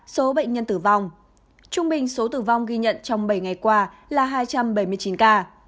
số bệnh nhân tử vong trung bình số tử vong ghi nhận trong bảy ngày qua là hai trăm bảy mươi chín ca